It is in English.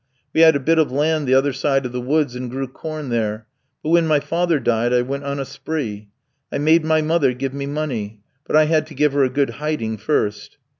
We had a bit of land the other side of the woods, and grew corn there; but when my father died I went on a spree. I made my mother give me money; but I had to give her a good hiding first."